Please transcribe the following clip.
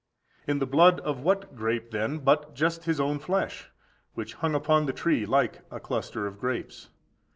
In the blood of what grape, then, but just His own flesh, which hung upon the tree like a cluster of grapes?